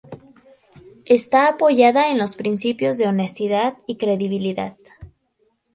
Está apoyada en los principios de honestidad y credibilidad.